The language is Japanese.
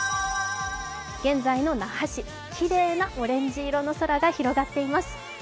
現在の那覇市、きれいなオレンジ色の空が広がっています。